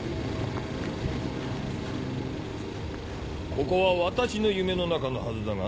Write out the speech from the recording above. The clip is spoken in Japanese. ここは私の夢の中のはずだが。